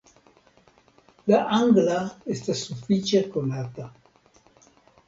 La angla estas sufiĉe konata.